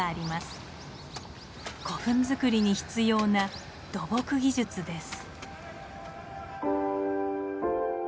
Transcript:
古墳づくりに必要な土木技術です。